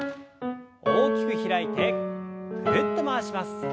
大きく開いてぐるっと回します。